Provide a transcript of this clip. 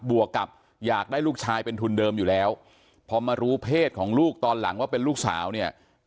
วกกับอยากได้ลูกชายเป็นทุนเดิมอยู่แล้วพอมารู้เพศของลูกตอนหลังว่าเป็นลูกสาวเนี่ย